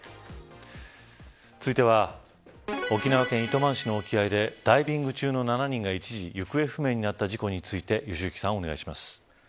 続いては沖縄県糸満市の沖合でダイビング中の７人が一時行方不明になった事故について良幸さんお願いします。